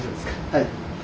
はい。